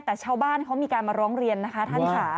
แต่ชาวบ้านเขามีการมาร้องเรียนนะคะท่านค่ะ